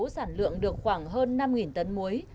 sản lượng được khoảng hơn năm tấn muối